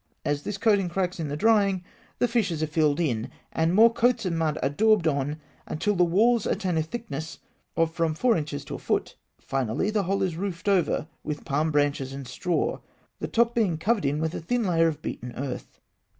As this coating cracks in the drying the fissures are filled in, and more coats of mud are daubed on until the walls attain a thickness of from four inches to a foot. Finally, the whole is roofed over with palm branches and straw, the top being covered in with a thin layer of beaten earth.